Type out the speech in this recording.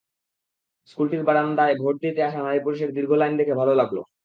স্কুলটির বারান্দায় ভোট দিতে আসা নারী-পুরুষের দীর্ঘ লাইন দেখে ভালো লাগল।